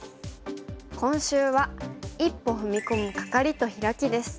今週は「一歩踏み込むカカリとヒラキ」です。